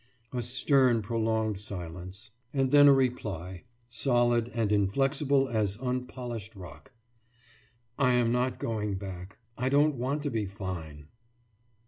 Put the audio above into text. « A stern prolonged silence, and then a reply, solid and inflexible as unpolished rock: »I am not going back. I don't want to be fine.